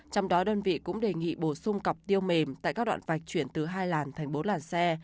trong đó đơn vị cũng đề nghị bổ sung cọc tiêu mềm tại các đoạn vạch chuyển từ hai làn thành bốn làn xe